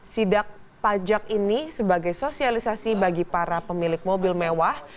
sidak pajak ini sebagai sosialisasi bagi para pemilik mobil mewah